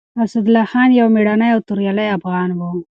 اسدالله خان يو مېړنی او توريالی افغان و.